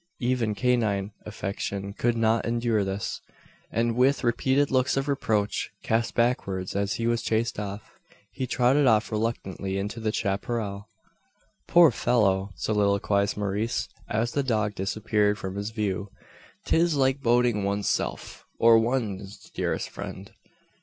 Even canine affection could not endure this; and with repeated looks of reproach, cast backwards as he was chased off, he trotted reluctantly into the chapparal. "Poor fellow!" soliloquised Maurice, as the dog disappeared from his view. "'Tis like boating one's self, or one's dearest friend!